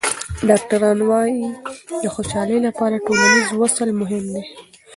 ډاکټران وايي د خوشحالۍ لپاره ټولنیز وصل مهم دی.